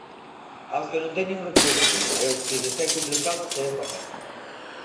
Aos que non teñen recursos e aos que lles é complicado saír da casa.